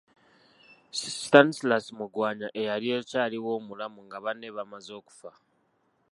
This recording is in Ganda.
Stanislas Mugwanya eyali akyaliwo omulamu nga banne bamaze okufa.